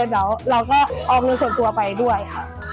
เราก็เอาเงินส่วนตัวไปด้วยค่ะ